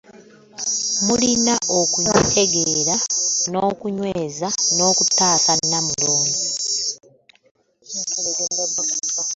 “Mulina okutegeera okunyweza n'okutaasa Nnamulondo"